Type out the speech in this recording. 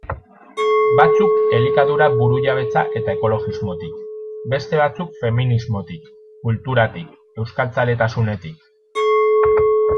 Batzuk elikadura burujabetza eta ekologismotik, beste batzuk feminismotik, kulturatik, euskaltzaletasunetik...